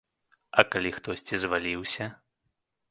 А калі хтосьці зваліўся?